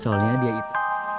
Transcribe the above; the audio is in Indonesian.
soalnya dia itu